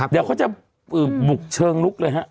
เดี๋ยวเขาจะบุกเชิงลุกเลยฮะ